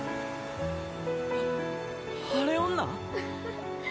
「晴れ女？」